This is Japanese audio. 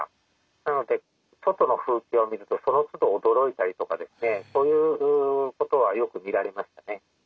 なので外の風景を見るとそのつど驚いたりとかですねそういうことはよく見られましたね。